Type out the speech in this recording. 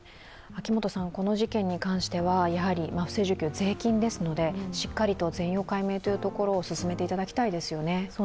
この事件に関しては不正受給、税金ですのでしっかりと全容解明を進めていっていただきたいですよね。